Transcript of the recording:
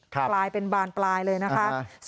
กลายเป็นบานปลายเลยนะคะ